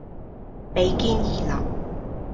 比肩而立